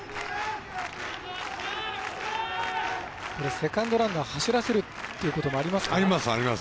セカンドランナー走らせるということもあります。